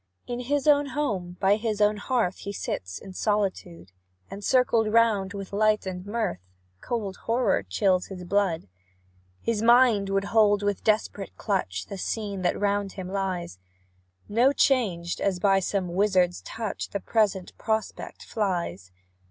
In his own home, by his own hearth, He sits in solitude, And circled round with light and mirth, Cold horror chills his blood. His mind would hold with desperate clutch The scene that round him lies; No changed, as by some wizard's touch, The present prospect flies.